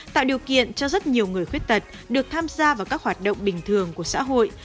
tạo điều kiện cho rất nhiều người khuyết tật được tham gia vào các hoạt động bình thường của xã hội